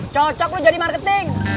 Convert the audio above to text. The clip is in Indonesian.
cocok lo jadi marketing